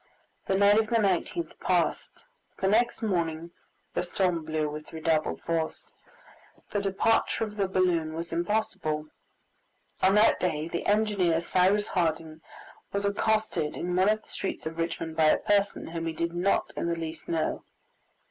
The night of the 19th passed, but the next morning the storm blew with redoubled force. The departure of the balloon was impossible. On that day the engineer, Cyrus Harding, was accosted in one of the streets of Richmond by a person whom he did not in the least know.